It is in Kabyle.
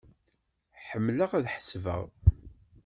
Ḥemmleɣ ad ḥesbeɣ.